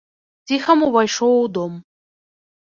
Ціхом увайшоў у дом.